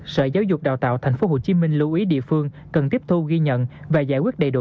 sở giáo dục đào tạo tp hcm lưu ý địa phương cần tiếp thu ghi nhận và giải quyết đầy đủ